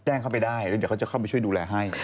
เข้าไปได้แล้วเดี๋ยวเขาจะเข้าไปช่วยดูแลให้